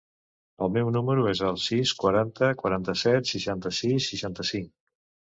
El meu número es el sis, quaranta, quaranta-set, seixanta-sis, seixanta-cinc.